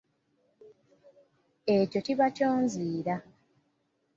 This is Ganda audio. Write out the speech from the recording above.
Ekyo kiba ky'onziira.